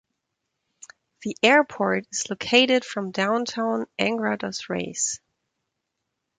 The airport is located from downtown Angra dos Reis.